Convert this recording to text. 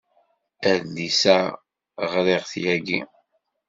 Adlis-a ɣriɣ-t yagi.